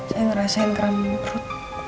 saya ngerasain keram perut